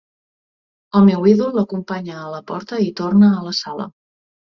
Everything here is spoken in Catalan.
El meu ídol l'acompanya a la porta i torna a la sala.